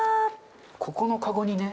ここのかごにね。